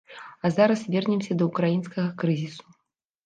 А зараз вернемся да ўкраінскага крызісу.